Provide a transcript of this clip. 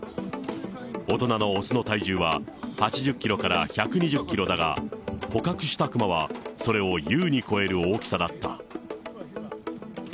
大人の雄の体重は８０キロから１２０キロだが、捕獲したクマはそれを優に超える大きさだった。